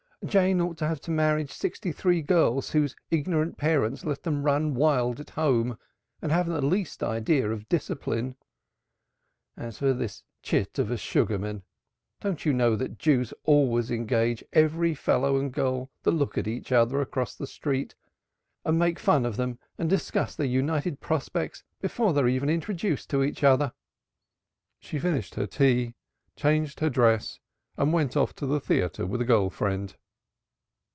"Jane ought to have to manage sixty three girls whose ignorant parents let them run wild at home, and haven't the least idea of discipline. As for this chit of a Sugarman, don't you know that Jews always engage every fellow and girl that look at each other across the street, and make fun of them and discuss their united prospects before they are even introduced to each other." She finished her tea, changed her dress and went off to the theatre with a girl friend.